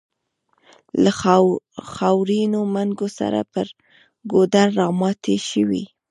له خاورينو منګو سره پر ګودر راماتې شوې.